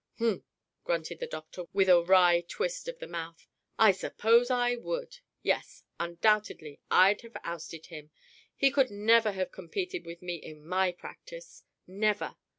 "Humph!" grunted the doctor with a wry twist of the mouth; "I suppose I would! Yes; undoubtedly I'd have ousted him! He could never have competed with me in my practice; never!